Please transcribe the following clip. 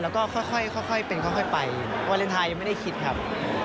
แล้วก็ค่อยเป็นค่อยไปวาเลนไทยยังไม่ได้คิดครับ